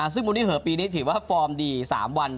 ซึ่งมูลนิเหอะปีนี้ถือว่าฟอร์มดี๓วัน